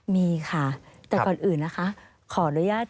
มีค่ะแต่ก่อนอื่นขอโดยยัส